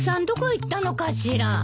どこ行ったのかしら。